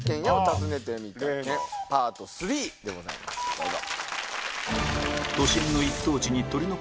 どうぞ。